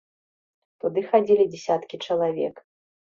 Туды хадзілі дзясяткі чалавек.